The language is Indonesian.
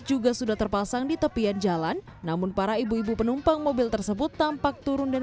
juga sudah terpasang di tepian jalan namun para ibu ibu penumpang mobil tersebut tampak turun dan